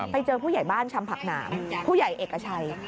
ผู้ใหญ่บ้านชำผักหนามผู้ใหญ่เอกชัย